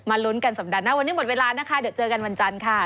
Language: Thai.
ลุ้นกันสัปดาห์หน้าวันนี้หมดเวลานะคะเดี๋ยวเจอกันวันจันทร์ค่ะ